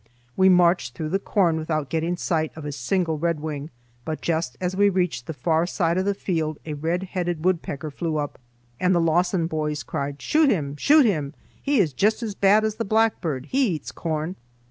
We marched through the corn without getting sight of a single redwing, but just as we reached the far side of the field, a red headed woodpecker flew up, and the Lawson boys cried: "Shoot him! Shoot him! he is just as bad as a blackbird. He eats corn!"